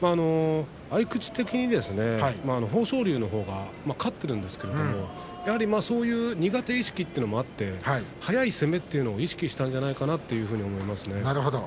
合い口的に豊昇龍のほうが勝っているんですけどやはりそういう苦手意識というのもあって速い攻めというのを意識したんじゃないかなと思いますね。